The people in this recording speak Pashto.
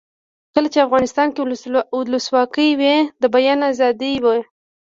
کله چې افغانستان کې ولسواکي وي د بیان آزادي وي.